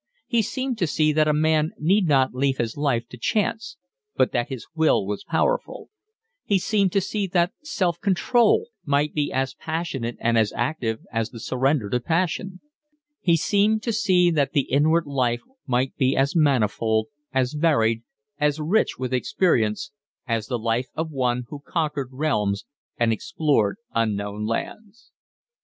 He seemed to see that a man need not leave his life to chance, but that his will was powerful; he seemed to see that self control might be as passionate and as active as the surrender to passion; he seemed to see that the inward life might be as manifold, as varied, as rich with experience, as the life of one who conquered realms and explored unknown lands.